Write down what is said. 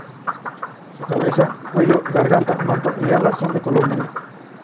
Su cabeza, cuello, garganta, manto y alas son de color negro.